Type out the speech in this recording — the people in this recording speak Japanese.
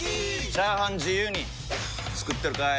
チャーハン自由に作ってるかい！？